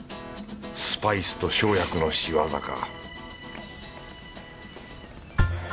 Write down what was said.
スパイスと生薬のしわざか